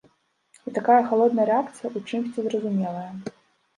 І такая халодная рэакцыя ў чымсьці зразумелая.